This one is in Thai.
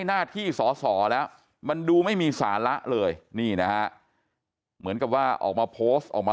หน้าที่สอนแล้วมันดูไม่มีสาระเลยนี่นะเหมือนกับว่าออกมา